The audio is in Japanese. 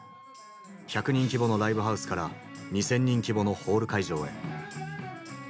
１００人規模のライブハウスから２，０００人規模のホール会場へ。